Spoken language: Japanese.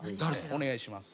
お願いします。